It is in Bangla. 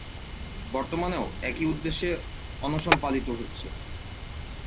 বর্তমানেও একই উদ্দেশ্যে অনশন পালিত হচ্ছে।